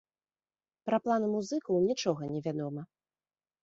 Пра планы музыкаў нічога не вядома.